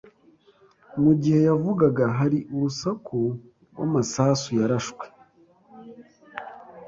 Mu gihe yavugaga, hari urusaku rw'amasasu yarashwe.